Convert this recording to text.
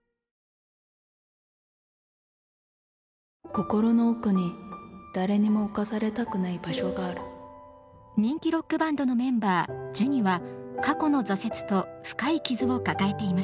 心の奥に誰にも侵されたくない場所がある人気ロックバンドのメンバージュニは過去の挫折と深い傷を抱えていました。